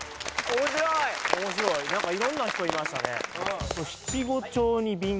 面白い何か色んな人いましたね